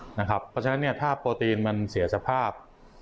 เพราะฉะนั้นถ้าโปรตีนมันเสียสภาพ